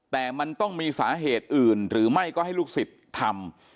แต่มันต้องมีสาเหตุอื่นหรือไม่ก็ให้ลูกศิษย์ทำ